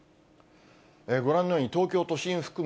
ご覧のように、東京都心を含む